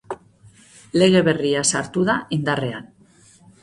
Lege berria sartu da indarrean.